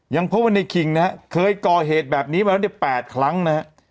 พบว่าในคิงนะฮะเคยก่อเหตุแบบนี้มาแล้วเนี่ย๘ครั้งนะฮะ